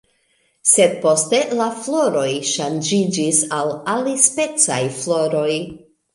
Sed poste la floroj ŝanĝiĝis al alispecaj floroj.